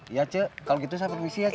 iya cuk kalau gitu saya permisi ya cuk